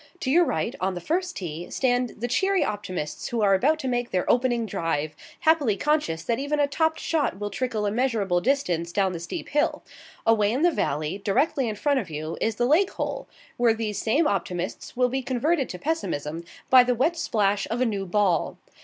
To your right, on the first tee, stand the cheery optimists who are about to make their opening drive, happily conscious that even a topped shot will trickle a measurable distance down the steep hill. Away in the valley, directly in front of you, is the lake hole, where these same optimists will be converted to pessimism by the wet splash of a new ball.